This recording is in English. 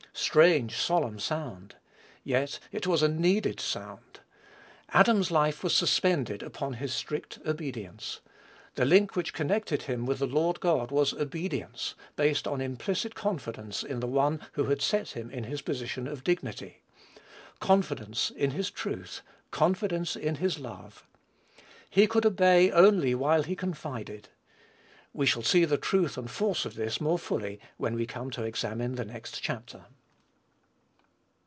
Strange, solemn sound! Yet, it was a needed sound. Adam's life was suspended upon his strict obedience. The link which connected him with the Lord God was obedience, based on implicit confidence in the One who had set him in his position of dignity confidence in his truth confidence in his love. He could obey only while he confided. We shall see the truth and force of this more fully when we come to examine the next chapter.